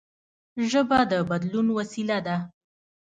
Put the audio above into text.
ژبه د بدلون وسیله ده.